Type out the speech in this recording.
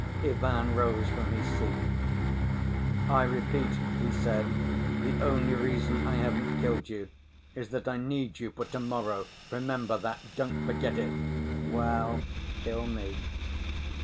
Ivan rose from his seat. "I repeat," he said, "the only reason I haven't killed you is that I need you for to‐morrow, remember that, don't forget it!" "Well, kill me.